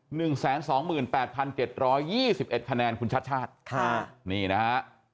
หนึ่งแสนสองหมื่นแปดพันเจ็ดร้อยยี่สิบเอ็ดคะแนนคุณชาติชาติค่ะนี่นะฮะ